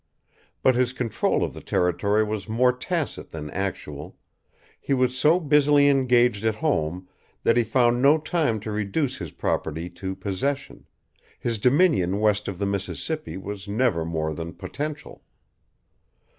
But his control of the territory was more tacit than actual; he was so busily engaged at home that he found no time to reduce his property to possession; his dominion west of the Mississippi was never more than potential.